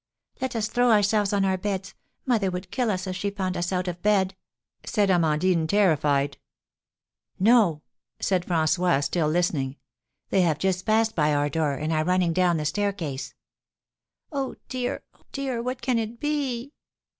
"Let us throw ourselves on our beds; mother would kill us if she found us out of bed," said Amandine, terrified. "No," said François, still listening; "they have just passed by our door, and are running down the staircase." "Oh, dear, oh, dear, what can it be?"